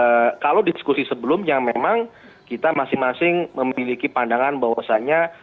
nah kalau diskusi sebelumnya memang kita masing masing memiliki pandangan bahwasannya